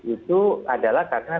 itu adalah karena